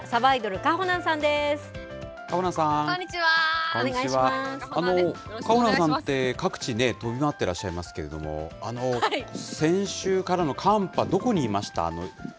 かほなんさんって、各地飛び回ってらっしゃいますけど、先週からの寒波、どこにいました？